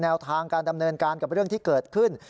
ทางการดำเนินการกับเรื่องที่เกิดขึ้น